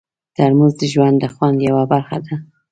ترموز د ژوند د خوند یوه برخه ده.